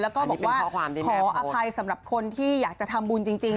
แล้วก็บอกว่าขออภัยสำหรับคนที่อยากจะทำบุญจริง